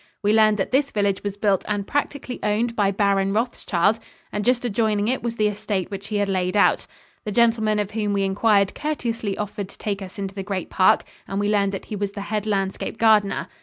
We learned that this village was built and practically owned by Baron Rothschild, and just adjoining it was the estate which he had laid out. The gentleman of whom we inquired courteously offered to take us into the great park, and we learned that he was the head landscape gardener.